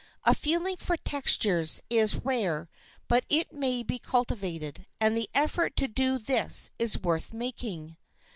A feeling for textures is rare, but it may be cultivated, and the effort to do this is worth making.